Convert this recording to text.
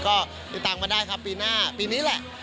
ก็ติดตามมาได้ครับปีหน้าปีนี้แหละ